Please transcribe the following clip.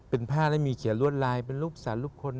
เป็นผ้าและมีเขียนรวดลายเป็นรูปสารลูกคน